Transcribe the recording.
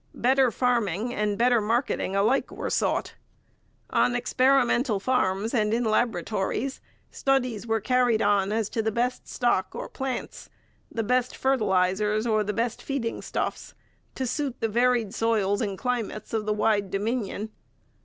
Better farming and better marketing alike were sought. On experimental farms and in laboratories, studies were carried on as to the best stock or plants, the best fertilizers or the best feeding stuffs, to suit the varied soils and climates of the wide Dominion.